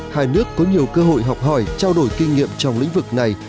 hai nước có nhiều cơ hội học hỏi trao đổi kinh nghiệm trong lĩnh vực này